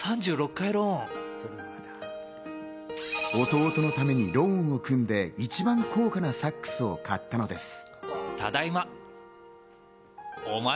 弟のためにローンを組んで一番高価なサックスを買ったのです。